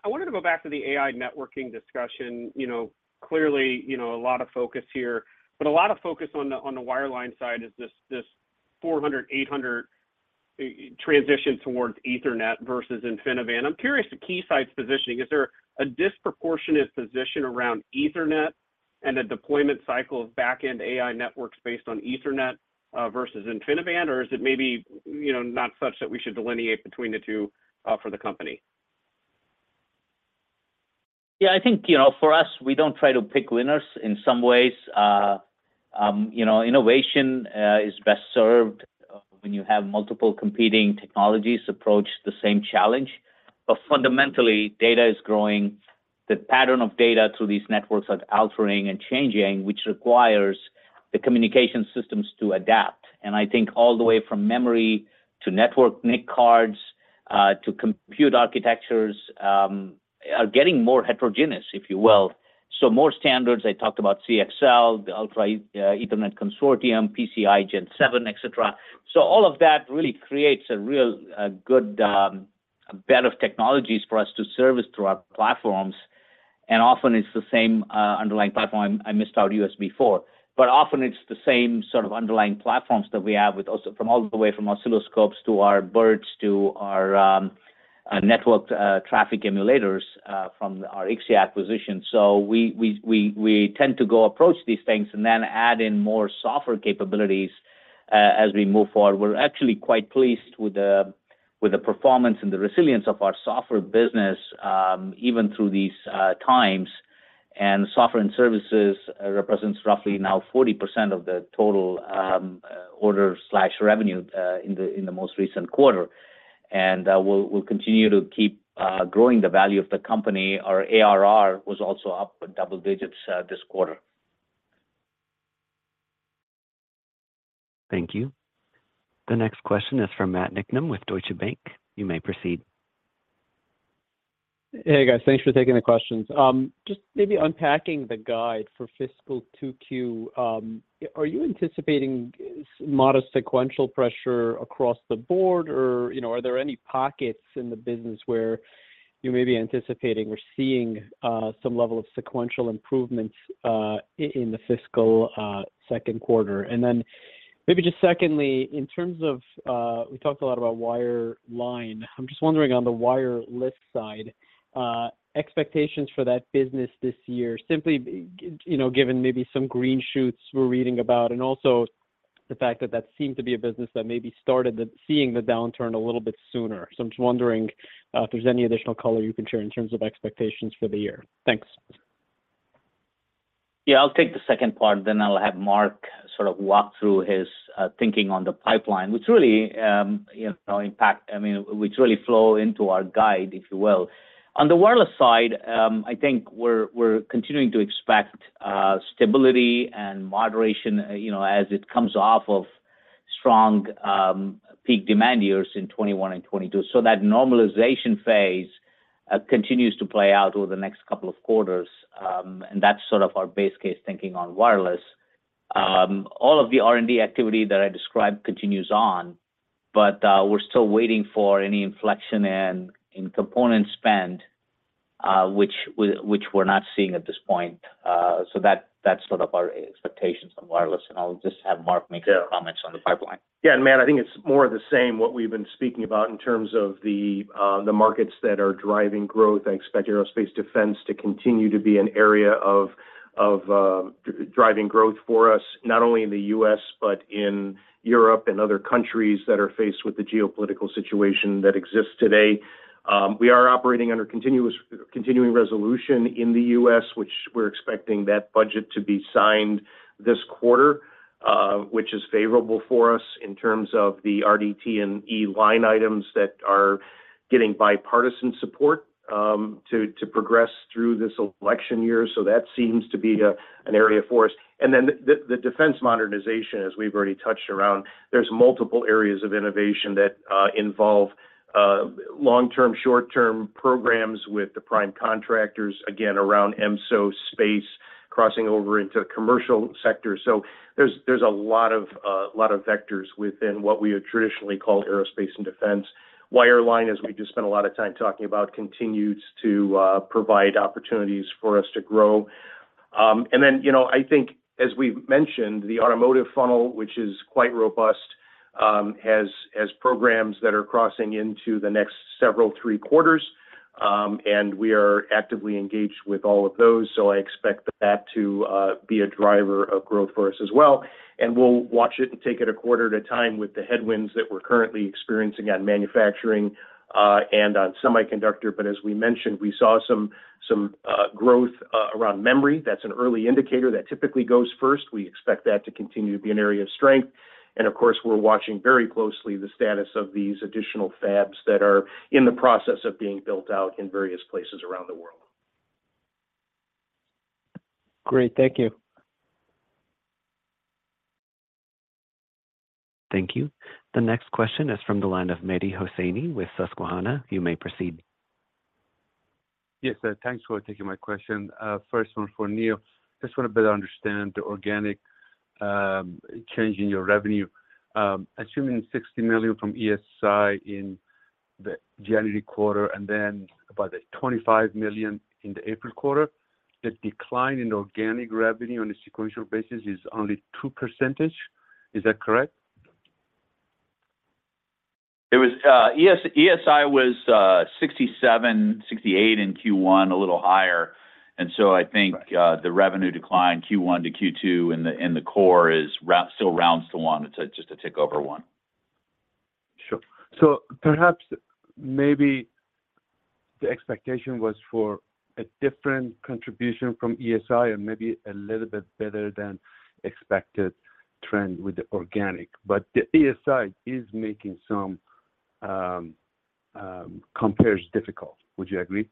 I wanted to go back to the AI networking discussion. You know, clearly, you know, a lot of focus here, but a lot of focus on the wireline side is this 400, 800 transition towards Ethernet versus InfiniBand. I'm curious to Keysight's positioning. Is there a disproportionate position around Ethernet and a deployment cycle of back-end AI networks based on Ethernet versus InfiniBand? Or is it maybe, you know, not such that we should delineate between the two for the company? Yeah, I think, you know, for us, we don't try to pick winners in some ways. You know, innovation is best served when you have multiple competing technologies approach the same challenge. But fundamentally, data is growing. The pattern of data through these networks are altering and changing, which requires the communication systems to adapt. And I think all the way from memory to network NIC cards to compute architectures are getting more heterogeneous, if you will. So more standards, I talked about CXL, the Ultra Ethernet Consortium, PCI Gen 7.0, et cetera. So all of that really creates a real, a good bed of technologies for us to service through our platforms, and often it's the same underlying platform. I missed out USB4. But often it's the same sort of underlying platforms that we have with also from all the way from oscilloscopes to our BERTs, to our network traffic emulators from our Ixia acquisition. So we tend to go approach these things and then add in more software capabilities as we move forward. We're actually quite pleased with the performance and the resilience of our software business, even through these times, and software and services represents roughly now 40% of the total order/revenue in the most recent quarter. And we'll continue to keep growing the value of the company. Our ARR was also up double digits this quarter. Thank you. The next question is from Matt Niknam with Deutsche Bank. You may proceed. Hey, guys. Thanks for taking the questions. Just maybe unpacking the guide for fiscal 2Q, are you anticipating modest sequential pressure across the board, or, you know, are there any pockets in the business where you may be anticipating or seeing some level of sequential improvements in the fiscal second quarter? And then maybe just secondly, in terms of... we talked a lot about wireline. I'm just wondering on the wireless side, expectations for that business this year, simply, you know, given maybe some green shoots we're reading about, and also the fact that that seemed to be a business that maybe started seeing the downturn a little bit sooner. So I'm just wondering, if there's any additional color you can share in terms of expectations for the year. Thanks. Yeah, I'll take the second part, then I'll have Mark sort of walk through his thinking on the pipeline, which really, you know, I mean, which really flow into our guide, if you will. On the wireless side, I think we're continuing to expect stability and moderation, you know, as it comes off of strong peak demand years in 2021 and 2022. So that normalization phase continues to play out over the next couple of quarters, and that's sort of our base case thinking on wireless. All of the R&D activity that I described continues on, but we're still waiting for any inflection in component spend, which we're not seeing at this point. So that's sort of our expectations on wireless, and I'll just have Mark make comments on the pipeline. Yeah, and, Matt, I think it's more of the same, what we've been speaking about in terms of the, the markets that are driving growth. I expect aerospace defense to continue to be an area of driving growth for us, not only in the U.S., but in Europe and other countries that are faced with the geopolitical situation that exists today. We are operating under continuing resolution in the U.S., which we're expecting that budget to be signed this quarter, which is favorable for us in terms of the RDT&E line items that are getting bipartisan support, to progress through this election year. So that seems to be an area for us. And then the defense modernization, as we've already touched around, there's multiple areas of innovation that involve long-term, short-term programs with the prime contractors, again, around EMSO space, crossing over into commercial sectors. So there's a lot of vectors within what we would traditionally call aerospace and defense. Wireline, as we just spent a lot of time talking about, continues to provide opportunities for us to grow. And then, you know, I think as we've mentioned, the automotive funnel, which is quite robust, has programs that are crossing into the next several three quarters.... and we are actively engaged with all of those, so I expect that to be a driver of growth for us as well. And we'll watch it and take it a quarter at a time with the headwinds that we're currently experiencing on manufacturing and on semiconductor. But as we mentioned, we saw some growth around memory. That's an early indicator that typically goes first. We expect that to continue to be an area of strength, and of course, we're watching very closely the status of these additional fabs that are in the process of being built out in various places around the world. Great. Thank you. Thank you. The next question is from the line of Mehdi Hosseini with Susquehanna. You may proceed. Yes, sir. Thanks for taking my question. First one for Neil. Just want to better understand the organic change in your revenue. Assuming $60 million from ESI in the January quarter, and then about $25 million in the April quarter, the decline in organic revenue on a sequential basis is only 2%. Is that correct? It was ESI, ESI was 67, 68 in Q1, a little higher, and so I think- Right... the revenue declined Q1 to Q2, and the core still rounds to one. It's just a tick over one. Sure. So perhaps maybe the expectation was for a different contribution from ESI and maybe a little bit better than expected trend with the organic, but the ESI is making some comparisons difficult. Would you agree?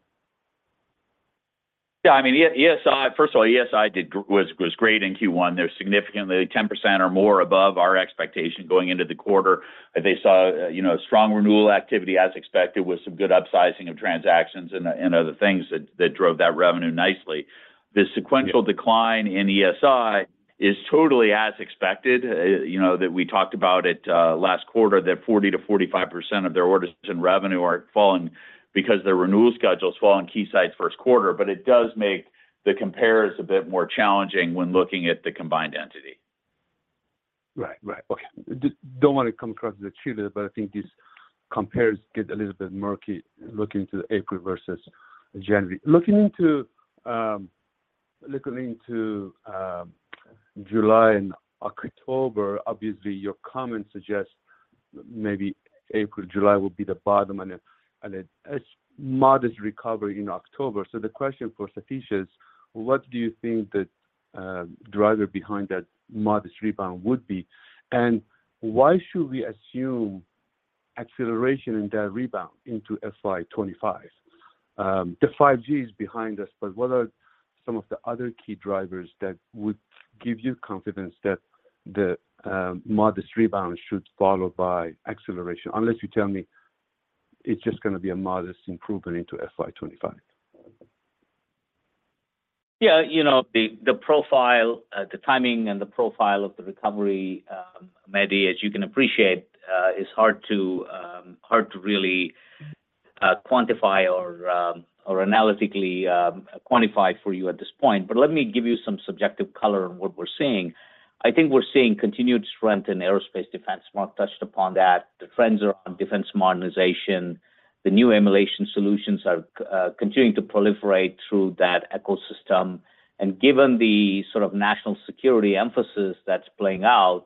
Yeah, I mean, ESI, first of all, ESI did great in Q1. They're significantly 10% or more above our expectation going into the quarter. They saw, you know, strong renewal activity as expected, with some good upsizing of transactions and other things that drove that revenue nicely. Yeah. The sequential decline in ESI is totally as expected, you know, that we talked about it, last quarter, that 40%-45% of their orders and revenue are falling because their renewal schedules fall on Keysight's first quarter, but it does make the compares a bit more challenging when looking at the combined entity. Right. Right. Okay. I don't want to come across as a cheater, but I think these compares get a little bit murky looking to the April versus January. Looking into July and October, obviously, your comments suggest maybe April, July will be the bottom and a modest recovery in October. So the question for Satish is: what do you think the driver behind that modest rebound would be? And why should we assume acceleration in that rebound into FY 2025? The 5G is behind us, but what are some of the other key drivers that would give you confidence that the modest rebound should follow by acceleration? Unless you tell me it's just gonna be a modest improvement into FY 2025. Yeah, you know, the profile, the timing and the profile of the recovery, Mehdi, as you can appreciate, is hard to really quantify or analytically quantify for you at this point. But let me give you some subjective color on what we're seeing. I think we're seeing continued strength in aerospace defense. Mark touched upon that. The trends around defense modernization, the new emulation solutions are continuing to proliferate through that ecosystem, and given the sort of national security emphasis that's playing out,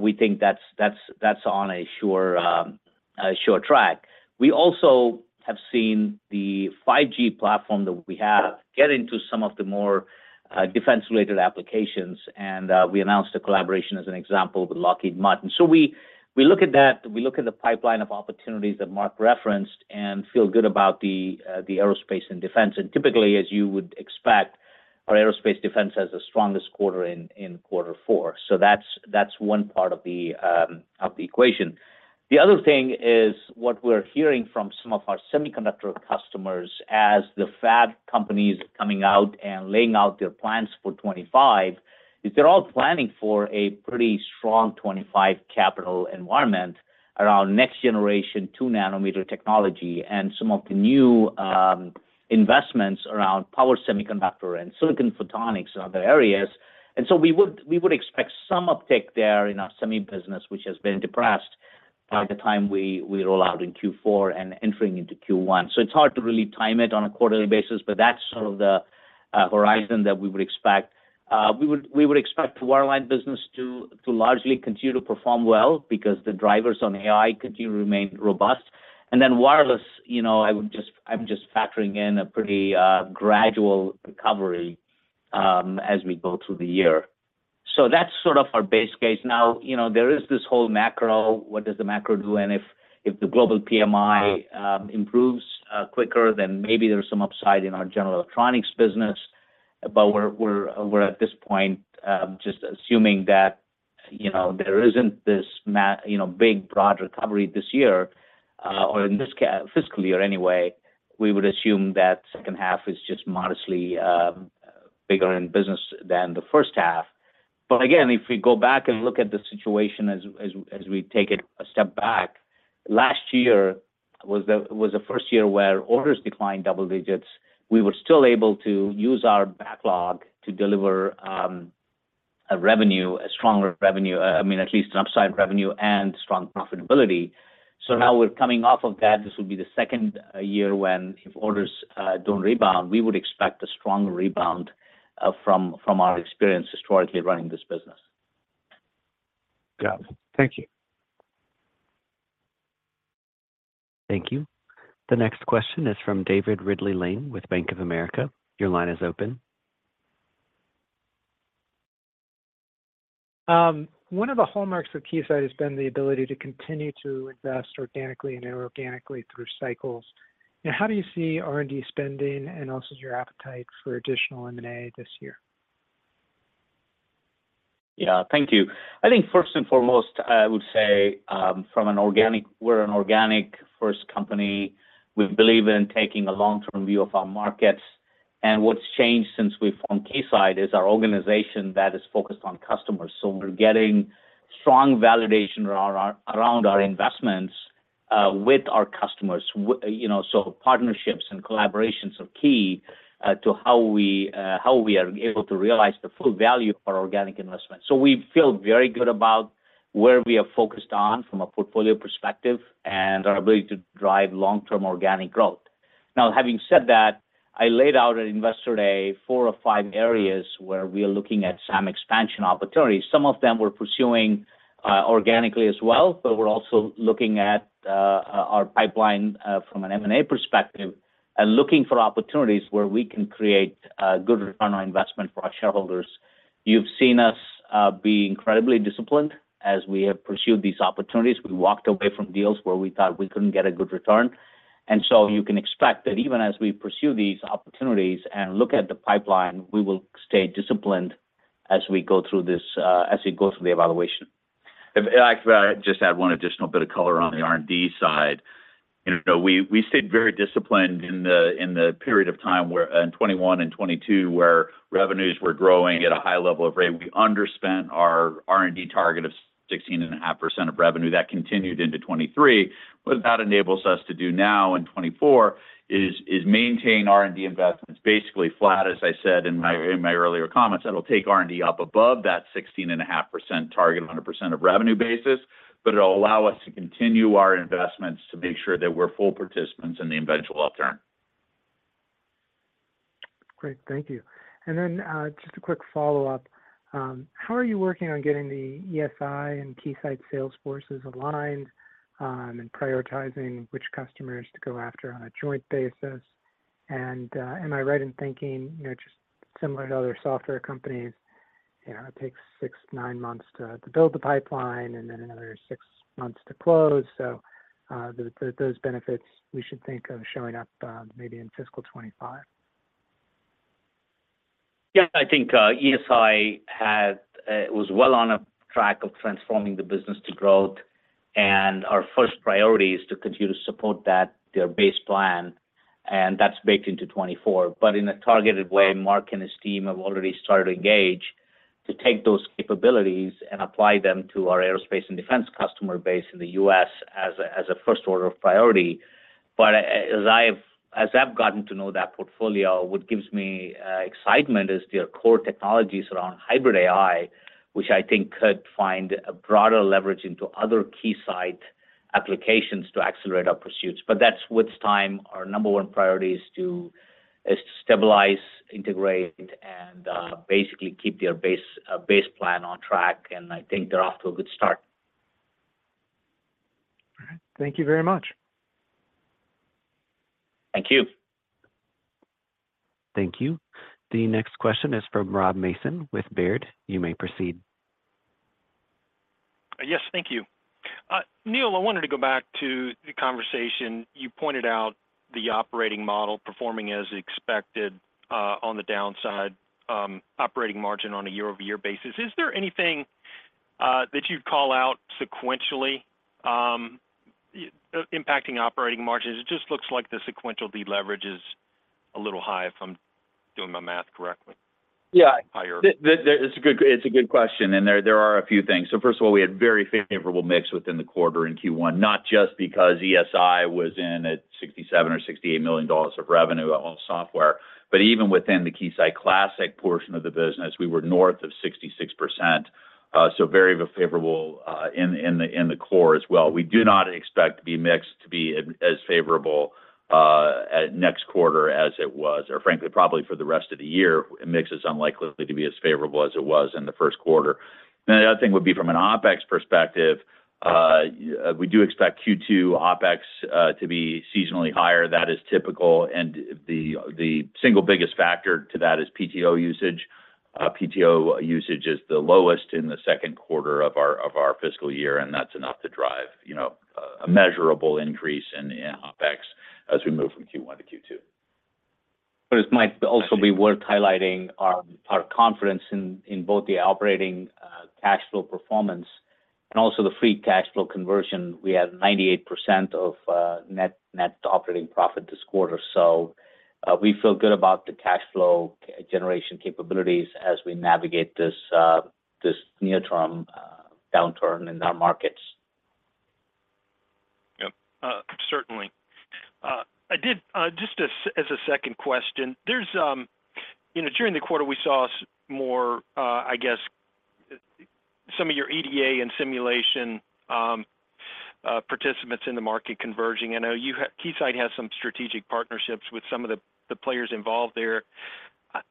we think that's on a sure track. We also have seen the 5G platform that we have get into some of the more defense-related applications, and we announced a collaboration as an example with Lockheed Martin. So we look at that, we look at the pipeline of opportunities that Mark referenced and feel good about the aerospace and defense. And typically, as you would expect, our aerospace defense has the strongest quarter in quarter four. So that's one part of the equation. The other thing is, what we're hearing from some of our semiconductor customers as the fab companies coming out and laying out their plans for 2025, is they're all planning for a pretty strong 2025 capital environment around next-generation 2-nanometer technology and some of the new investments around power semiconductor and silicon photonics and other areas. And so we would expect some uptick there in our semi business, which has been depressed by the time we roll out in Q4 and entering into Q1. So it's hard to really time it on a quarterly basis, but that's sort of the horizon that we would expect. We would expect wireline business to largely continue to perform well because the drivers on AI continue to remain robust. And then wireless, you know, I would just—I'm just factoring in a pretty gradual recovery as we go through the year. So that's sort of our base case. Now, you know, there is this whole macro, what does the macro do? And if the global PMI improves quicker, then maybe there's some upside in our general electronics business, but we're at this point just assuming that, you know, there isn't this you know, big, broad recovery this year or in this fiscal year anyway. We would assume that second half is just modestly bigger in business than the first half. But again, if we go back and look at the situation as we take it a step back, last year was the first year where orders declined double digits. We were still able to use our backlog to deliver a revenue, a stronger revenue, I mean, at least an upside revenue and strong profitability. So now we're coming off of that. This will be the second year when, if orders don't rebound, we would expect a strong rebound from our experience historically running this business. Got it. Thank you. Thank you. The next question is from David Ridley-Lane with Bank of America. Your line is open. One of the hallmarks of Keysight has been the ability to continue to invest organically and inorganically through cycles. Now, how do you see R&D spending, and also your appetite for additional M&A this year? Yeah, thank you. I think first and foremost, I would say, from an organic-- we're an organic-first company. We believe in taking a long-term view of our markets, and what's changed since we formed Keysight is our organization that is focused on customers. So we're getting strong validation around our, around our investments, with our customers. You know, so partnerships and collaborations are key, to how we, how we are able to realize the full value of our organic investment. So we feel very good about where we are focused on from a portfolio perspective and our ability to drive long-term organic growth. Now, having said that, I laid out at Investor Day four or five areas where we are looking at some expansion opportunities. Some of them we're pursuing organically as well, but we're also looking at our pipeline from an M&A perspective, and looking for opportunities where we can create a good return on investment for our shareholders. You've seen us be incredibly disciplined as we have pursued these opportunities. We walked away from deals where we thought we couldn't get a good return. And so you can expect that even as we pursue these opportunities and look at the pipeline, we will stay disciplined as we go through this, as we go through the evaluation. If I could just add one additional bit of color on the R&D side. You know, we, we stayed very disciplined in the, in the period of time where, in 2021 and 2022, where revenues were growing at a high level of rate. We underspent our R&D target of 16.5% of revenue. That continued into 2023. What that enables us to do now in 2024 is, is maintain R&D investments basically flat, as I said in my, in my earlier comments. That'll take R&D up above that 16.5% target on a percent of revenue basis, but it'll allow us to continue our investments to make sure that we're full participants in the eventual upturn. Great. Thank you. And then, just a quick follow-up: How are you working on getting the ESI and Keysight sales forces aligned, and prioritizing which customers to go after on a joint basis? And, am I right in thinking, you know, just similar to other software companies, you know, it takes six to nine months to build the pipeline and then another six months to close, so, those benefits we should think of showing up, maybe in fiscal 2025? Yeah, I think, ESI was well on a track of transforming the business to growth, and our first priority is to continue to support that, their base plan, and that's baked into 2024. But in a targeted way, Mark and his team have already started to engage to take those capabilities and apply them to our aerospace and defense customer base in the U.S. as a first order of priority. But as I've gotten to know that portfolio, what gives me excitement is their core technologies around hybrid AI, which I think could find a broader leverage into other Keysight applications to accelerate our pursuits. But that's with time. Our number one priority is to stabilize, integrate, and basically keep their base plan on track, and I think they're off to a good start. All right. Thank you very much. Thank you. Thank you. The next question is from Rob Mason with Baird. You may proceed. Yes. Thank you. Neil, I wanted to go back to the conversation. You pointed out the operating model performing as expected, on the downside, operating margin on a year-over-year basis. Is there anything that you'd call out sequentially, impacting operating margins? It just looks like the sequential deleverage is a little high, if I'm doing my math correctly. Yeah. Higher. It's a good question, and there are a few things. So first of all, we had very favorable mix within the quarter in Q1, not just because ESI was in at $67 million or $68 million of revenue, all software. But even within the Keysight classic portion of the business, we were north of 66%, so very favorable in the core as well. We do not expect the mix to be as favorable at next quarter as it was, or frankly, probably for the rest of the year, the mix is unlikely to be as favorable as it was in the first quarter. Then the other thing would be from an OpEx perspective, we do expect Q2 OpEx to be seasonally higher. That is typical, and the single biggest factor to that is PTO usage. PTO usage is the lowest in the second quarter of our fiscal year, and that's enough to drive, you know, a measurable increase in OpEx as we move from Q1 to Q2. It might also be worth highlighting our, our confidence in, in both the operating cash flow performance and also the free cash flow conversion. We have 98% of net operating profit this quarter. We feel good about the cash flow generation capabilities as we navigate this, this near-term downturn in our markets. Yep, I did just as a second question. There's you know, during the quarter, we saw some more, I guess, some of your EDA and simulation participants in the market converging. I know Keysight has some strategic partnerships with some of the players involved there.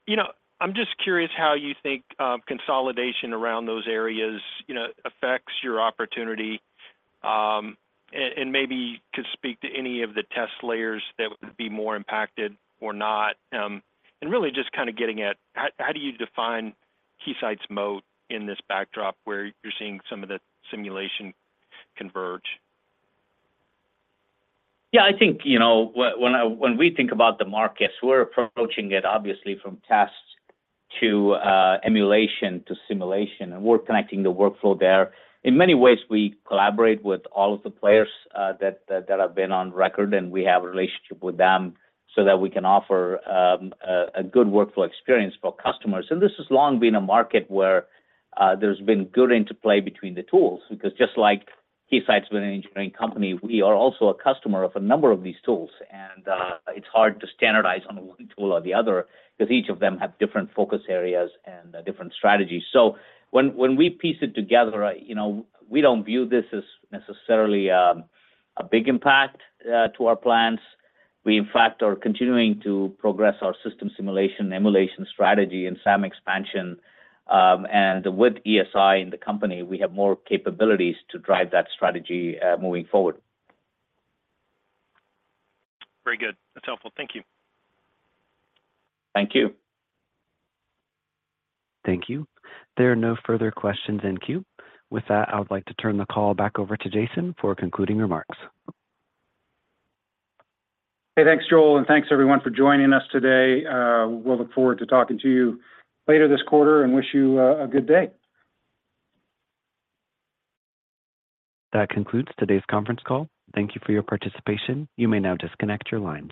You know, I'm just curious how you think consolidation around those areas, you know, affects your opportunity, and maybe could speak to any of the test layers that would be more impacted or not. And really just kind of getting at how you define Keysight's moat in this backdrop where you're seeing some of the simulation converge? Yeah, I think, you know, when we think about the markets, we're approaching it obviously from tests to emulation, to simulation, and we're connecting the workflow there. In many ways, we collaborate with all of the players that have been on record, and we have a relationship with them so that we can offer a good workflow experience for customers. So this has long been a market where there's been good interplay between the tools, because just like Keysight's been an engineering company, we are also a customer of a number of these tools, and it's hard to standardize on one tool or the other because each of them have different focus areas and different strategies. So when we piece it together, you know, we don't view this as necessarily a big impact to our plans. We, in fact, are continuing to progress our system simulation, emulation, strategy, and SAM expansion. And with ESI in the company, we have more capabilities to drive that strategy moving forward. Very good. That's helpful. Thank you. Thank you. Thank you. There are no further questions in queue. With that, I would like to turn the call back over to Jason for concluding remarks. Hey, thanks, Joel, and thanks, everyone, for joining us today. We'll look forward to talking to you later this quarter and wish you a good day. That concludes today's conference call. Thank you for your participation. You may now disconnect your line.